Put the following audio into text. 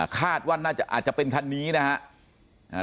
คาดว่าน่าจะอาจจะเป็นคันนี้นะครับ